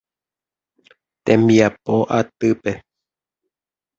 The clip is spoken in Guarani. Tembiapo atýpe.